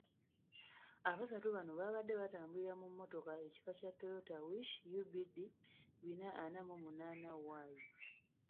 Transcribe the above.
Abasatu bano baabadde batambulira mu mmotoka ekika kya Toyota Wish UBD bina ana mu munaana Y.